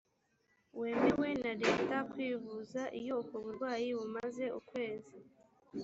wemewe na leta kwivuza iyo ubwo burwayi bumaze ukwezi